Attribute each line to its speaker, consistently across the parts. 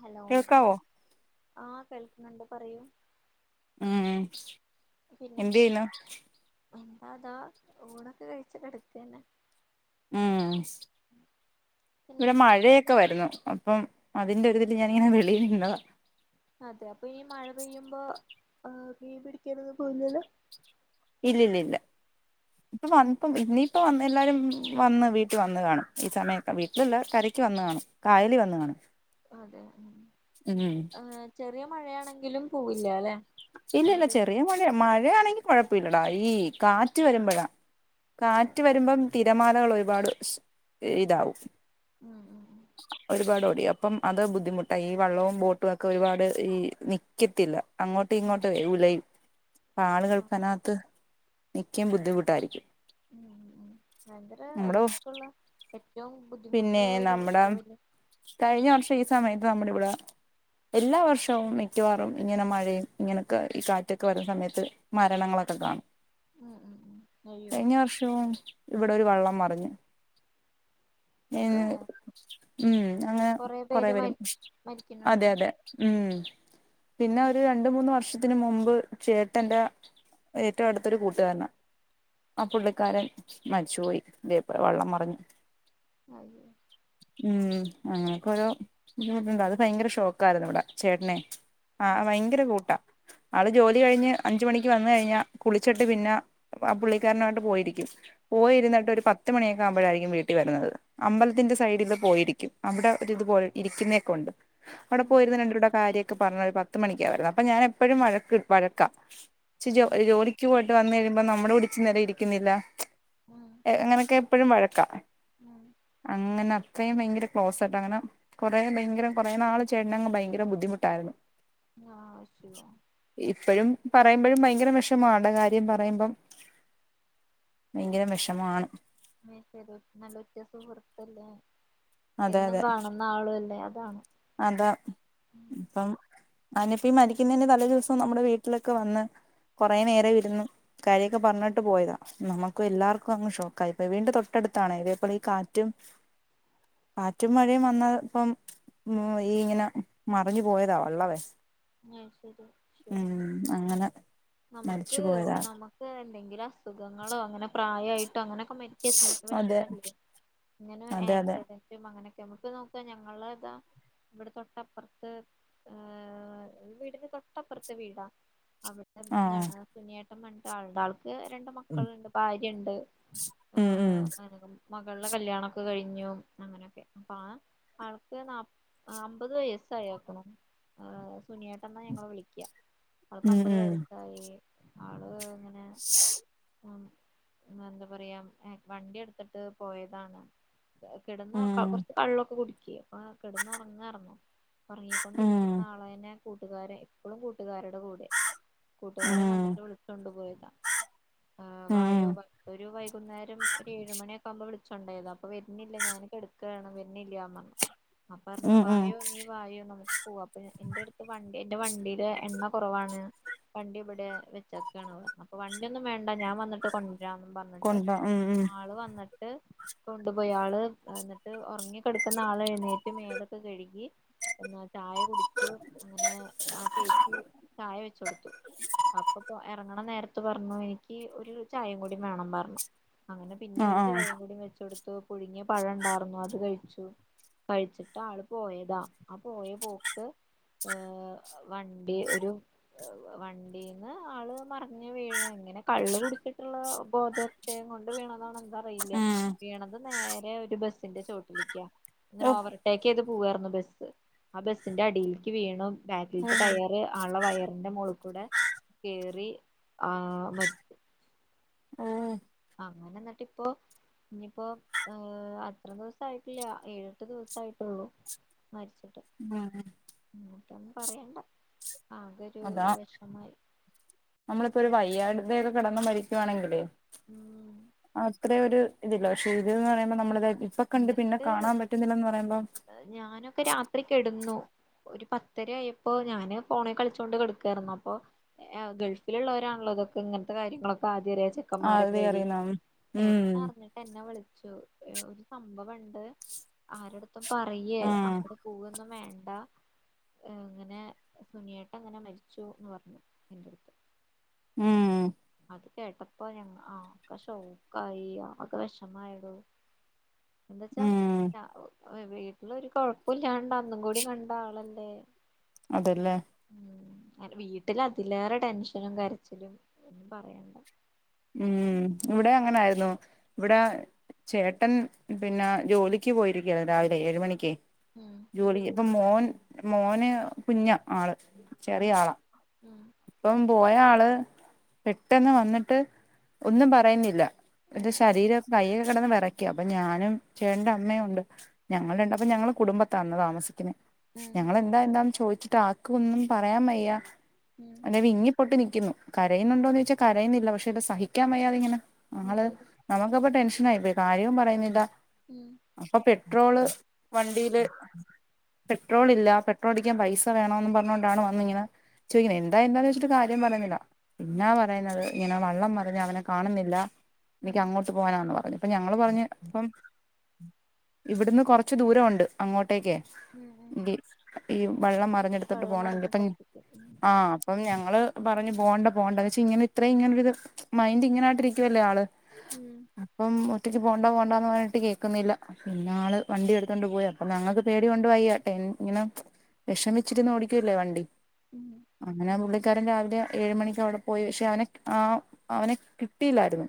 Speaker 1: Hello,
Speaker 2: കേൾക്കാവോ
Speaker 1: ആഹ് കേൾക്ക്ന്ന് ണ്ട് പറയൂ
Speaker 2: ആഹ്.
Speaker 1: പിന്നെ
Speaker 2: എന്തെയ്യുന്നു?
Speaker 1: എന്താ അതാ ഊണൊക്കെ കഴിച്ച് കെടക്കെന്നെ.
Speaker 2: ഊം.
Speaker 1: പിന്നെ
Speaker 2: ഇവിടെ മഴയൊക്കെ വരുന്നു, അപ്പം അതിന്റെ ഒരിതില് ഞാനിങ്ങനെ വെളിയിലിരുന്നതാ.
Speaker 1: അതെ അപ്പൊ ഈ മഴ പെയ്യുമ്പോ, ഏ മീൻ പിടിക്കാനൊന്നും പോയില്ലല്ലോ
Speaker 2: ഇല്ലില്ലില്ല ഇപ്പൊ വ ഇപ്പം, ഇന്നിംപ്പ വന്ന് എല്ലാരും വന്ന് വീട്ടി വന്ന് കാണും ഈ സമയം വീട്ടിലുള്ള കരക്ക് വന്ന് കാണും, കായലി വന്ന് കാണും.
Speaker 1: അതെ
Speaker 2: ഉം
Speaker 1: ഏ ചെറിയ മഴയാണെങ്കിലും പോവില്ല അല്ലെ
Speaker 2: ഇല്ല
Speaker 1: മഴ
Speaker 2: ഇല്ല
Speaker 1: പെയ്യ
Speaker 2: ചെറിയ മഴ മഴയാണെങ്കി കൊഴപ്പല്ലടാ ഈ കാറ്റ് വരുമ്പോഴാ കാറ്റ് വരുമ്പം തിരമാലകൾ ഒരുപാട് ഇതാവും
Speaker 1: ഉം ഉം ഉ
Speaker 2: ഒരുപാട് ഓടി അപ്പം അത് ബുദ്ധിമുട്ടാ ഈ വള്ളവും ബോട്ടും ഒക്കെ ഒരുപാട് ഈ നിൽക്കത്തില്ല അങ്ങോട്ട് കുട്ടി
Speaker 1: ഉം
Speaker 2: ഇങ്ങോട്ട്ലൽ അപ്പൊ ആളുകൾക്കനകത്ത് നിക്കാൻ ബുദ്ധിമുട്ടായിരിക്കും
Speaker 1: ഉം ഭയങ്കര
Speaker 2: നമ്മുടെ
Speaker 1: റിസ്ക് ഉള്ള ഏറ്റവും
Speaker 2: പിന്നെ
Speaker 1: ബുദ്ധിമുട്ടുള്ള ഒരു
Speaker 2: നമ്മുടെ
Speaker 1: ജോലിയ
Speaker 2: കഴിഞ്ഞ വർഷം ഈ സമയത്ത് നമ്മുടെ ഇവിടെ എല്ലാ വർഷവും മിക്കവാറും ഇങ്ങനെ മഴയും ഇങ്ങനെക്കെ ഈ കാറ്റൊക്കെ വരുന്ന സമയത്ത് മരണങ്ങളൊക്കെ കാണും
Speaker 1: ഉം ഉം ഉം അയ്യോ
Speaker 2: കഴിഞ്ഞ വർഷവും ഇവിടെ ഒരു വള്ളം മറിഞ്ഞ് ഏ
Speaker 1: അത്
Speaker 2: ഉം അങ്ങനെ കൊറേ
Speaker 1: പേര്
Speaker 2: വരും
Speaker 1: മരി
Speaker 2: അതെ
Speaker 1: മരിക്കുന്നുണ്ടോ
Speaker 2: അതെ ഉം പിന്നെ ഒരു രണ്ട് മൂന്ന് വർഷത്തിന് മുമ്പ് ചേട്ടന്റെ ഏറ്റവും അടുത്തൊരു കൂട്ടുകാരനാ ആ പുള്ളിക്കാരൻ മരിച്ചുപോയി ഇതുപോലെ പോലെ വള്ളം മറിഞ്ഞു
Speaker 1: അയ്യോ
Speaker 2: ഉം അങ്ങനെയൊക്കെ ഓരോ ബുദ്ധിമുട്ടുണ്ട് അത് ഭയങ്കര ഷോക്കാ യിരുന്നു ഇവിടെ ചേട്ടനേ ആ
Speaker 1: ഉം
Speaker 2: ഭയങ്കര കൂട്ടാ ആള് ജോലി കഴിഞ്ഞ് അഞ്ച് മണിക്ക് വന്ന് കഴിഞ്ഞാ കുളിച്ചിട്ട് പിന്നെ ആ പുള്ളിക്കാരനുമായിട്ട് പോയിരിക്കും
Speaker 1: ഉം
Speaker 2: പോയിരുന്നിട്ട് ഒരു പത്തു മണിയൊക്കെ ആകുമ്പോഴായിരിക്കും വീട്ടിൽ വരുന്നത്. അമ്പലത്തിന്റെ സൈഡില് പോയിരിക്കും അവിടെ ഒരി ഇതുപലെ ഇരിക്കുന്നൊ ക്കെ ഉണ്ട് അവിടെ
Speaker 1: ഉം
Speaker 2: പോയിരുന്നു രണ്ട് കൂടെ കാര്യമൊക്കെ പറഞ്ഞ് ഒരു പത്ത് മണി ക്കുവാ. അപ്പൊ ഞാൻ എപ്പോഴും വഴക്ക് വഴക്കാ ച്ച്
Speaker 1: ഉം
Speaker 2: ജോലിക്ക് പോയി ര് വന്ന് കഴിയുമ്പോ നമ്മടെ കൂടെ ഇച്ചിരി നേരം ഇരിക്കുന്നില്ല
Speaker 1: ഉം
Speaker 2: എങ്ങനെയൊക്കെ എപ്പോഴും വഴക്കാ
Speaker 1: ഉം
Speaker 2: അങ്ങനെ ഇത്രയും ഭയങ്കര ക്ലോസായിട്ട് അങ്ങനെ കുറേ ഭയങ്കര കുറേ നാള് ചേട്ടനങ്ങ് ഭയങ്കര ബുദ്ധിമുട്ടായിരുന്നു
Speaker 1: ആ [unintelligible]
Speaker 2: ഇപ്പഴും പറയുമ്പോഴും ഭയങ്കര വിഷമാണ് ആൾടെ കാര്യം പറയുമ്പം ഭയങ്കര വിഷമാണ്
Speaker 1: [unintelligible] നല്ല ഉറ്റ സുഹൃത്തല്ലേ
Speaker 2: അതെ
Speaker 1: എന്നും
Speaker 2: അതെ
Speaker 1: കാണുന്ന ആളുവല്ലേ അതാണ്
Speaker 2: അതാ ഇപ്പം അവനിപ്പോ ഈ മരിക്കുന്നതിന് തലേ ദിവസവും നമ്മുടെ വീട്ടിലൊക്കെ വന്ന് കുറേ നേരമിരുന്നു കാര്യൊക്കെ പറഞ്ഞിട്ട് പോയതാ നമുക്ക് എല്ലാവർക്കും അങ്ങ് ഷോക്കാ ഇപ്പൊ വീടിന്റെ തൊട്ടടുത്താണ് ഇതേ പ്പോലെ ഈ കാറ്റും കാറ്റും മഴയും വന്നാൽ ഇപ്പം ഉം ഈ ഇങ്ങനെ മറിഞ്ഞു പോയതാ വള്ളവേ
Speaker 1: ആ ശരി [unintelligible]
Speaker 2: ഉം അങ്ങനെ
Speaker 1: നമുക്ക്
Speaker 2: മരിച്ചു പോയതാ
Speaker 1: നമുക്ക് എന്തെങ്കിലും അസുഖങ്ങളോ അങ്ങനെ പ്രായായിട്ട് ട്ട് അങ്ങനൊക്കെ മരിക്കാ വെക്കുമ്പോ
Speaker 2: അതെ
Speaker 1: വിഷമല്ലേ ഇങ്ങനെ
Speaker 2: അതെ അതെ
Speaker 1: ആക്‌സിഡന്റ് റ്റും അങ്ങനെയൊക്കെ നമുക്ക് നോക്കാ ഞങ്ങളതാ ഇവിടെ തൊട്ടപ്പൊറത്ത് ഏഹ് വീടിന് തൊട്ടപ്പുറത്തെ വീടാ അവ്
Speaker 2: ആഹ്
Speaker 1: ന്നാണ് സുനിയേട്ടൻ പറഞ്ഞിട്ടൊരു ആളുണ്ട് ആൾ ക്ക് രണ്ട് മക്കളുണ്ട് ഭാര്യണ്ട് ഏ
Speaker 2: ഉം ഉം
Speaker 1: അങ്ങനെ മകളുടെ കല്യാണക്കെ കഴിഞ്ഞു അങ്ങനെയൊക്കെ അപ്പ ആ ആൾക്ക് നാപ അമ്പത് വയസ്സായേക്ക്ണ് സുനിയേട്ടൻ എന്നാണ് ഞങ്ങള് വിളിക്കാ ആൾക്ക്
Speaker 2: ഉം
Speaker 1: അമ്പത് വയസ്സായി ആള് ഇങ്ങനെ ഉം എന്താ പറയാ എഹ് വണ്ടി ട്ത്തിട്ട് പോയതാണ്. കിടന്നൊ
Speaker 2: ഉം
Speaker 1: ക കൊർച്ച് കള്ളൊക്കെ കുടിച്ച്. ആഹ് കിടന്നൊർങ്ങാർന്ന്
Speaker 2: ഉം ഉം
Speaker 1: ഓർങ്ങിക്കൊണ്ടിരിക്ക്ന്ന ആളെ ന്നെ കൂട്ടുകാരേ എപ്പളും കൂട്ടുകാര്ടെ കൂടെ കൂട്ടുകാരൻ
Speaker 2: ഉം
Speaker 1: വന്ന്ട്ട് വിളിച്ചൊണ്ടുപോയതാ. ആഹ് വായോ
Speaker 2: ഉം
Speaker 1: വാ ഒരു വൈകുന്നേരം ഒരേഴ് മണ്യ ക്കാവുമ്പോ വിളിച്ചൊണ്ടോയതാ അപ്പൊ വെര്ന്നില്ല ഞാന് കെടക്കാണ് വെര്ന്നില്ലാന്നർഞ്ഞ്. അപ്പർഞ്ഞ്
Speaker 2: ഉം ഉം
Speaker 1: വായോ നീ വായോ നമുക്ക് പോവാ അപ്പൊ ഇന്റെ ട്ത്ത് വണ്ടി എന്റെ വണ്ടില് എണ്ണ കൊറവാണ്. വണ്ടി വടെ വെച്ചേക്കാണ് പർഞ്ഞ് അപ്പൊ വണ്ട്യൊന്നും വേണ്ട ഞാൻ വന്ന്ട്ട് കൊൺ രാ ന്നും പർഞ്ഞിട്ട്
Speaker 2: കൊണ്ട ഉം ഉം
Speaker 1: ആള് വന്ന്ട്ട് കൊണ്ട്പോയി ആള് എന്ന്ട്ട് ഓർങ്ങി കെടക്ക്ന്ന ആൾ എഴ്ന്നേറ്റ് മേലൊക്കെ കെഴ്കി പിന്നെ ചായ കുടിച്ചു അങ്ങനെ ആ ചേച്ചി ചായ വെച്ചൊട്ത്ത്. അപ്പ പ്പോ എറങ്ങണ നേരത്ത് പർണു ഇൻക്കി ഒരു ചായേം കൂടി വേണം പർണു. അങ്ങനെ പിന്നെ
Speaker 2: ആഹ്
Speaker 1: ഒരു
Speaker 2: ആഹ്
Speaker 1: ചായേം കൂടി വെച്ചൊട്ത്തു പുഴുങ്ങിയ പഴ ണ്ടാർന്നു അത് കഴിച്ചു. കഴിച്ചിട്ടാള് പോയതാ ആ പോയ പോക്ക് ആഹ് വണ്ടി ഒരു വണ്ടീന്ന് ആള് മർഞ്ഞ് വീഴ് അങ്ങനെ കള്ള് കുടിച്ചിട്ട്ള്ള ബോധക്ഷയം കൊണ്ട് വീണതാണോ എന്താ അറിയില്ല
Speaker 2: ഉം
Speaker 1: വീണത് നേരെ ഒരു ബസ്സിന്റെ ച്ചോട്ടിലിക്ക്യാ ഇങ്ങനെ
Speaker 2: ഓഹ്
Speaker 1: ഓവർടേക്കെയ്ത് പോവാര്ന്നു ബസ്സ് ആഹ് ബസ്സിന്റ ടീൽക്കി വീണു ബാക്കിൽത്തെ
Speaker 2: ഓഹ്
Speaker 1: ടയർ ആളെ വയറിന്റെ മോള് കൂടെ കേറി ആഹ് മരി
Speaker 2: ഏഹ്
Speaker 1: അങ്ങനെ ന്ന്ട്ടിപ്പൊ ഇഞ്പ്പോ ഏഹ് അത്ര ദിവസായിട്ടില്ല ഏഴെട്ട് ദിവസായിട്ടോള്ളൂ. മരിച്ചിട്ട്.
Speaker 2: ആഹ്
Speaker 1: എന്നിട്ടൊന്നും പറയണ്ട ആകോരു വെഷമായി.
Speaker 2: നമ്മളിപ്പോര് വയ്യാട് തെര് കെടന്ന് മരിക്കുവാണെങ്കിലെ
Speaker 1: ഉം
Speaker 2: അ അത്രേ ഒരു ഇതില്ല പക്ഷെ ഇത് ന്നറിയുമ്പോ നമ്മളതായിട്ട് ഇപ്പൊ കണ്ട് പിന്നെ
Speaker 1: എന്നിട്ട്
Speaker 2: കാണാൻ പറ്റ്ന്നില്ലാന്ന് പറയുമ്പം
Speaker 1: ഞാനൊക്കെ രാത്രി കെടന്നു ഒരു പത്തരായപ്പോ ഞാന് പോണേ കളിച്ചോണ്ട് കടക്കായിര്ന്നു അപ്പൊ എഹ് ഗൾഫില്ള്ളോരാണല്ലോ ഇതൊക്കെ ഇങ്ങൻത്തെ കാര്യങ്ങളൊക്കെ ആദ്യ റ്യാ ച്ച ക്കാമാരൊക്കെ
Speaker 2: ആദ്യമേ
Speaker 1: വഴി
Speaker 2: അറിയുന്നതാണ് ഉം
Speaker 1: ഏട്ടനർഞ് എന്നെ വിളിച്ചു ഒരു സംഭവണ്ട് ആരെട്ത്തും പറയേ
Speaker 2: ആഹ്
Speaker 1: അങ്ങട് പോവൊന്നും വേണ്ട ഇങ്ങനെ സുനിയേട്ടങ്ങനെ മരിച്ചുന്ന് പർഞ്ഞു എന്റെട്ത്ത്
Speaker 2: ഉം
Speaker 1: അത് കേട്ടപ്പോ ഞങ്ങ ആകെ ശോക്കായി ആകെ വഷമായടോ എന്താ ച്ചാ
Speaker 2: ഉം
Speaker 1: രാ വീട്ടിലൊരു കൊഴപ്പുല്ല്യാണ്ടന്നും കൂടി കണ്ടാളല്ലേ
Speaker 2: അതെല്ലേ
Speaker 1: ഉം [unintelligible] വീട്ടിലതിലേറെ ടെൻഷനും കരച്ചിലും ഒന്നും പറയണ്ട
Speaker 2: ഉം ഇവടെ അങ്ങനായിന്നു ഇവടെ ചേട്ടൻ പിന്നെ ജോലിക്ക് പോയിരിക്ക്യാണ് രാവിലെ ഏഴ് മണിക്കെ
Speaker 1: ഉം
Speaker 2: ജോലിക്ക് ഇപ്പൊ മോൻ മോന് കുഞ്ഞ ആള്
Speaker 1: മ്മ്
Speaker 2: ചെറിയ ആളാ
Speaker 1: മ്മ്
Speaker 2: ഇപ്പം പോയ ആള് പെട്ടെന്ന് വന്നിട്ട് ഒന്നും പറയുന്നില്ല എന്റെ
Speaker 1: ഉം
Speaker 2: ശരീരം കയ്യൊക്കെ കെടന്ന് വറ ക്ക്യാ അപ്പൊ ഞാനും ചേട്ടന്റെ അമ്മയും ഉണ്ട് ഞങ്ങള് രണ്ട് അപ്പൊ ഞങ്ങള് കുടുംബത്താ ന്ന് താമസിക്കുന്നെ
Speaker 1: ഉം
Speaker 2: ഞങ്ങള് ന്താ എന്താ ചോദിച്ചിട്ട് ആർക്ക് ഒന്നും പറയാൻ വയ്യ
Speaker 1: മ്മ്
Speaker 2: വിങ്ങിപൊട്ടി നിക്കിന്നു കരയുന്നുണ്ടോന്ന് ചോയിച്ചാ കരയുന്നില്ല പക്ഷെ ഇത് സഹിക്കാൻ വയ്യാതെ ഇങ്ങന ഞങ്ങള്
Speaker 1: ഉം
Speaker 2: നമുക്കപ്പൊ ടെൻഷനായി പോയി കാര്യവും പറയുന്നില്ല
Speaker 1: മ്മ്
Speaker 2: അപ്പോ പെട്രോള് വണ്ടിയില് പെട്രോൾ ഇല്ല പെട്രോൾ അടിക്കാൻ പൈസ വേണോന്ന് പറഞ്ഞോണ്ടാണ് വന്നിങ്ങനെ
Speaker 1: ഉം ഉം
Speaker 2: ചോയിക്കനെ എന്താ എന്താന്ന് ചോയ്ച്ചിട്ട് കാര്യം പറയിന്നില്ല പിന്നാ പറയുന്നത് ഇങ്ങനെ വള്ളം മറിഞ്ഞ് അവനെ കാണുന്നില്ല എനിക്ക്
Speaker 1: ഉം
Speaker 2: അങ്ങോട്ട് പോകാനാന്ന് പറഞ് പ്പൊ ഞങ്ങള് പറഞ് പ്പം ഇവിടുന്ന് കൊറച്ച് ദൂരം ഉണ്ട് അങ്ങോട്ടേക്ക്
Speaker 1: ഉം ഉം
Speaker 2: ഈ വള്ളം മറിഞ്ഞെടുത്തിട്ട്
Speaker 1: വെള്ളം
Speaker 2: പോണങ്കിൽ
Speaker 1: നിറഞ്ഞ
Speaker 2: പ്പോ
Speaker 1: സ്ഥലത്തേക്ക്
Speaker 2: ആഹ് അപ്പം ഞങ്ങള് പറഞ്ഞു പോണ്ട പോണ്ട വെച്ച ഇങ്ങനെ ഇത്രയും ഇങ്ങനെ ത് മൈൻഡ് ഇങ്ങനയിട്ടിരിക്കുവല്ലേ ആള്
Speaker 1: മ്മ്
Speaker 2: അപ്പം ഒറ്റയ്ക്ക് പോണ്ട പോണ്ടന്ന് പറഞ്ഞിട്ട് കേൾക്കുന്നില്ല, ഇന്നാള് വണ്ടി എടുത്തോണ്ട് പോയി അപ്പൊ ഞങ്ങൾക്ക് പേടി കൊണ്ട് വയ്യ ട്ടെൻ ഇങ്ങന, വെഷമിച്ചിരുന്ന് ഓടിക്കല്ലേ വണ്ടി,
Speaker 1: ഉം
Speaker 2: അങ്ങനെ ആ പുള്ളിക്കാരൻ രാവിലെ ഏഴ് മണിക്ക് അവിടെ പോയി പക്ഷെ അവനെ ആ അവനെ കിട്ടിയില്ലായിരുന്നു,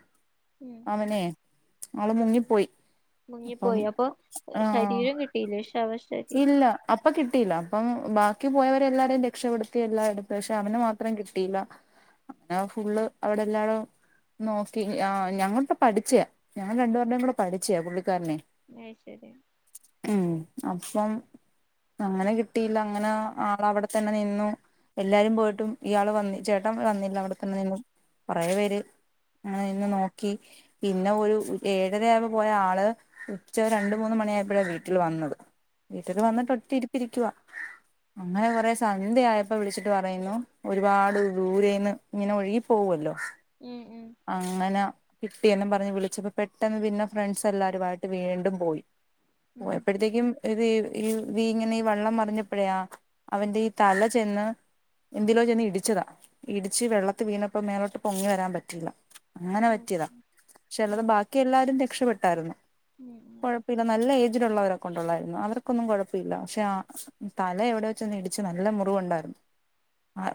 Speaker 1: ഉം
Speaker 2: അവനെ ആള് മുങ്ങിപ്പോയി, അപ്പം
Speaker 1: മുങ്ങിപ്പോയി അപ്പൊ
Speaker 2: ആഹ്
Speaker 1: ശരീരം കിട്ടിയില്ലെ ശവ ശ്
Speaker 2: ഇല്ല. അപ്പൊ കിട്ടിയില്ല, അപ്പം ബാക്കി പോയവരെ എല്ലാരേയും രക്ഷപ്പെടുത്തി, എല്ലാടുത്ത് പക്ഷെ അവനെ മാത്രം കിട്ടിയില്ല, അഹ് ഫുള്ള് അവിടെ എല്ലാടും, നോക്കി ഞങ്ങപ്പോ പഠിച്ചയാ ഞങ്ങൾ രണ്ടുപരുടെയും കൂടെ പഠിച്ചയാ പുള്ളിക്കാരനെ,
Speaker 1: അയ്ശെരി,
Speaker 2: ഉം അപ്പം, അങ്ങനെ കിട്ടിയില്ല അങ്ങനെ ആളവിടെ തന്നെ നിന്നു, എല്ലാരും പോയിട്ടും ഇയാള് വന്നി ചേട്ടൻ വന്നില്ല അവിടെത്തന്നെ നിന്നു, കുറേ പേര് ങ്ങെനെ നിന്ന് നോക്കി, പിന്നെ ഒരു ഏഴരയാവ് പോയ ആള് ഉച്ച രണ്ട്, മൂന്ന് മണിയായപ്പഴ വീട്ടിൽ വന്നത്. വീട്ടില്
Speaker 1: ഉം
Speaker 2: വന്നിട്ട് ഒറ്റ ഇരിപ്പിരിക്കുവ, അങ്ങനെ കൊറെ സന്ധ്യയപ്പോ വിളിച്ചിട്ട് പറയുന്നു, ഒരുപാട് ദൂരേന്ന്, ഇങ്ങനെ ഒഴുകി പോവല്ലോ,
Speaker 1: ഉം ഉം
Speaker 2: അങ്ങന, കിട്ടിയെന്നും പറഞ്ഞ് വിളിച്ചപ്പ പെട്ടെന്ന് പിന്നെ ഫ്രണ്ട്സ് എല്ലാരും ആട്ട് വീണ്ടും പോയി. പോയപ്പൾത്തേക്കും, ഇത് ഈ ഇ ഇങ്ങനെ ഈ വെള്ളം മറിഞ്ഞപ്പോഴേ അവന്റെ ഈ തല ചെന്ന്, എന്തിലോ ചെന്ന് ഇടിച്ചതാ ഇടിച്ച് വെള്ളത്തി വീണപ്പോ മേലോട്ട് പൊങ്ങി വരാൻ പറ്റിയില്ല, അങ്ങനെ
Speaker 1: ഉം
Speaker 2: പറ്റിയതാ പക്ഷെ അല്ലാതെ ബാക്കി എല്ലാരും രക്ഷപെട്ടായിരുന്നു,
Speaker 1: ഉം ഉം
Speaker 2: നല്ല ഏജിടുള്ളവരൊക്കൊണ്ടൊ കൊള്ളരു അവർക്കൊന്നും കൊഴപ്പല്ല പക്ഷെ തല എവിടൊ വെച്ച് ഒന്ന് ഇടിച്ച് നല്ല മുറിവ്ണ്ടായിരുന്നു,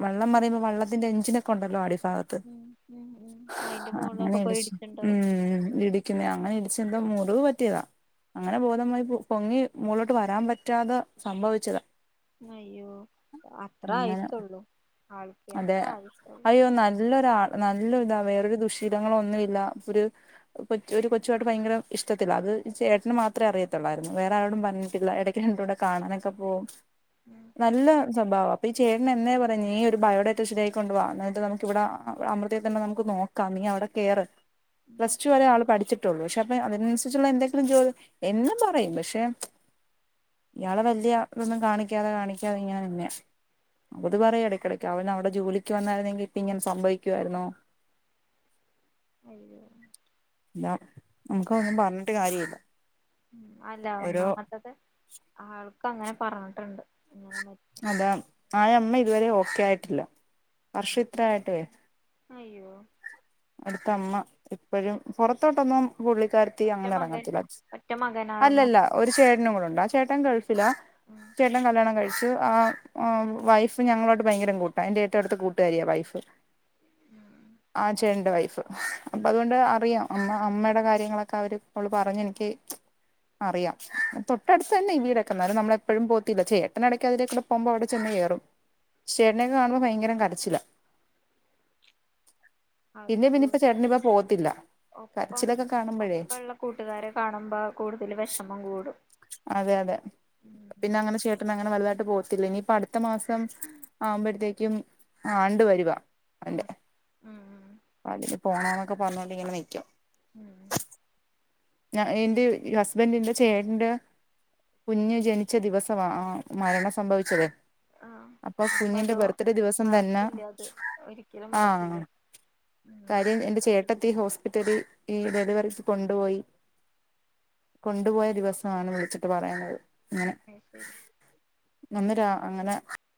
Speaker 2: വള്ളം മറിയുമ്പോൾ വെള്ളത്തിന്റെ എഞ്ചിനൊക്കെ ഉണ്ടല്ലോ അടിഫാഗ ത്ത്
Speaker 1: ഉം ഉം ഉം അയിന്റെ
Speaker 2: അങ്ങനെ
Speaker 1: മോളിലൊക്കെ പോയി
Speaker 2: ഇടിച്ചു
Speaker 1: ഇടിച്ചിണ്ടാവും
Speaker 2: ഉം ഇടി ക്കുന്നെ അങ്ങനെ ഇടിച്ച് എന്തൊ മുറിവ് പറ്റിയതാ അങ്ങനെ ബോധം പോയി പൊങ്ങി മോളിലോട്ട് വരാൻ പറ്റാതെ സംഭവിച്ചത
Speaker 1: അയ്യോ അത്ര
Speaker 2: അങ്ങനെ
Speaker 1: ആയസൊള്ളൂ ആൾക്ക്
Speaker 2: അതെ
Speaker 1: അത്ര ആയസൊള്ളൂ
Speaker 2: അയ്യോ നല്ലൊരാ നല്ല ഇതാ വേറൊരു ദുശീലങ്ങള ഒന്നുല്ല ഒരു കൊ ഒരു കൊച്ചു ആയിട്ട് ഭയങ്കര ഇഷ്ടത്തില അത് ചേട്ടന് മാത്രമേ അറിയത്തുള്ളായിരുന്നു വേറെ ആരോടും പറഞ്ഞിട്ടില്ല ഇടയ്ക്ക്‌ രണ്ടൂടെ കാണാനൊക്കെ പോകും
Speaker 1: ഉം
Speaker 2: നല്ല സ്വഭാവ അപ്പൊ ഈ ചേട്ടന് എന്നേ പറയും നീ ഒരു ബയോഡാറ്റ ശെരിയാക്കി കൊണ്ട് വാ എന്നട്ട് നമുക്ക് ഇവിടെ അമൃതയിൽ തന്നെ നമുക്ക് നോക്കാം നീ അവിടെ കേറ്
Speaker 1: ഉം
Speaker 2: പ്ലസ് ടു വരെ ആള് പഠിച്ചിട്ട ട്ടുള്ളൂ പക്ഷെ അപ്പ അതിനനുസരിച്ചുള്ള എന്തെങ്കിലും ജോൽ എന്ന് പറയും പക്ഷെ ഇയാളെ വല്യ ഇതൊന്നും കാണിക്കാതെ കാണിക്കാതെ ഇങ്ങനെ നിന്നെയ അപ്പ ഇത് പറയും ഇടയ്ക്കിടക്ക് അവൻ അവിടെ ജോലിക്ക് വന്നായിരുന്നെങ്കി ഇപ്പൊ ഇങ്ങനെ സംഭവിക്കുവായിരുന്നോ
Speaker 1: അയ്യോ
Speaker 2: ഇല്ലാ നമുക്ക് ഒന്നും പറഞ്ഞിട്ട് കാര്യല്ല
Speaker 1: ഉഉം അല്ല ഒന്നാമത്തത് ആൾക്ക് അങ്ങനെ പറഞ്ഞിട്ടുണ്ട് ഇങ്ങനെ മരി
Speaker 2: അതാ ആയമ്മ ഇതുവരെ ഓക്കെ ആയിട്ടില്ല വർഷം ഇത്ര ആയിട്ടോയ്
Speaker 1: അയ്യോ
Speaker 2: അടുത്തമ്മ ഇപ്പോഴും പുറത്തോട്ടൊന്നും പുള്ളിക്കാർ ത്തി
Speaker 1: ഒറ്റ
Speaker 2: അങ്ങനെ
Speaker 1: മകൻ
Speaker 2: ഇറങ്ങത്തില്ല
Speaker 1: ഒറ്റ മകനായിരുന്നു
Speaker 2: അല്ലല്ല ഒരു ചേട്ടനും കൂടെ ഉണ്ട് ആ ചേട്ടൻ ഗൾഫില
Speaker 1: ഉം
Speaker 2: ചേട്ടൻ കല്യാണം കഴി ച്ച് ആ വൈഫ് ഞങ്ങളോട്ട് ഭയങ്കര കൂട്ടാ എൻറെ ഏറ്റവും അടുത്ത കൂട്ടുകാരിയ വൈഫ്
Speaker 1: ഉം
Speaker 2: ആ ചേട്ടന്റെ വൈഫ് അപ്പൊ അതുകൊണ്ട് അറിയാം അമ്മ അമ്മയുടെ കാര്യങ്ങളൊക്കെ അവര് അവള് പറഞ്ഞ എനിക്ക് അറിയാം തൊട്ടടുത്ത് തന്നെ വീടക്കന്നാലും നമ്മള് എപ്പഴും പോവത്തില്ല ചേട്ടനെടക്ക് അതിലേക്കൂടെ പോവുമ്പം അവിടെ ചെന്ന് കേറും ചേട്ടനൊക്കെ കാണുമ്പോ ഭയങ്കരം കരച്ചില്ല പിന്നെ പിന്നെ
Speaker 1: ആൾക്ക്
Speaker 2: ഇപ്പ ചേട്ടന് ഇപ്പ പോവത്തില്ല
Speaker 1: ഒപ്പം ഒപ്പള്ള കൂട്ടുകാരെ കാണുമ്പോ കൂടുതൽ വിഷമം കൂടും
Speaker 2: അതെ അതെ
Speaker 1: ഉം
Speaker 2: പിന്നെ അങ്ങനെ ചേട്ടൻ അങ്ങനെ വലുതായിട്ട് പോകത്തില്ല ഇനിയിപ്പ അടുത്ത മാസം ആവുമ്പഴത്തേക്കും ആണ്ട് വരുവാ അവന്റെ
Speaker 1: ഉം ഉം
Speaker 2: അതിന് പോണോന്നൊക്കെ പറഞ്ഞോണ്ട് ഇങ്ങെനെ നിക്കും
Speaker 1: ഉം
Speaker 2: ഞ എന്റെ ഹസ്ബന്റിന്റെ ചേട്ടന്റെ കുഞ്ഞ് ജനിച്ച ദിവസവാ ആ മരണം സംഭവിച്ചതെ
Speaker 1: ആഹ് അപ്പൊ അത്
Speaker 2: തന്നെ
Speaker 1: മറക്കില്ല അത് ഒരിക്കലും മറക്കില്ല
Speaker 2: ആഹ്
Speaker 1: ഉം
Speaker 2: കാര്യം എന്റെ ചേട്ടത്തി ഹോസ്പിറ്റല് ഈ ഡെലിവറിക്ക് കൊണ്ടുപോയി കൊണ്ടുപോയ ദിവസവാണ് വിളിച്ചിട്ട് പറയുന്നത് ഇങ്ങനെ
Speaker 1: അത് ശരി
Speaker 2: നന്നരാ അങ്ങനെ